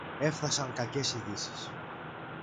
Έφθασαν κακές ειδήσεις.